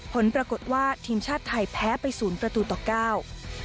ผลปรากฏว่าทีมชาติไทยแพ้ไปศูนย์ประตูต่อเก้า